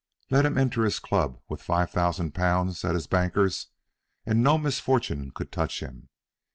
Let him enter his club with five thousand pounds at his banker's and no misfortune could touch him.